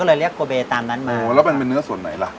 เลยเรียกโกเบตามนั้นมาโอ้แล้วมันเป็นเนื้อส่วนไหนล่ะ